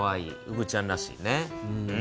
うぶちゃんらしいね。